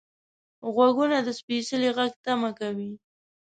غوږونه د سپیڅلي غږ تمه کوي